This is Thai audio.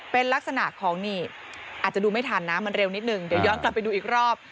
เป็นลักษณะของนี่อาจจะดูไม่ทันนะมันเร็วนิดนึงเดี๋ยวย้อนกลับไปดูอีกรอบ